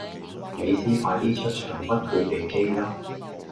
美斯快啲出場屈佢地機啦